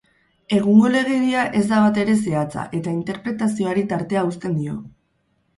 Egungo legedia ez da batere zehatza, eta interpretazioari tartea uzten dio.